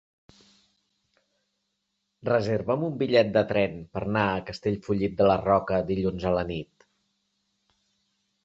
Reserva'm un bitllet de tren per anar a Castellfollit de la Roca dilluns a la nit.